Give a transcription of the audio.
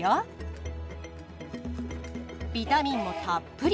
ビタミンもたっぷり。